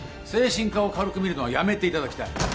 精神科を軽く見るのはやめていただきたい。